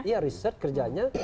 iya reset kerjanya